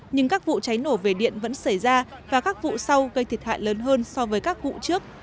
nhưng các vụ cháy nổ về điện vẫn xảy ra và các vụ sau gây thiệt hại lớn hơn so với các vụ trước